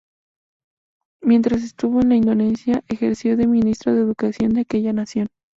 Mientras estuvo en Indonesia, ejerció de ministro de Educación de aquella nación.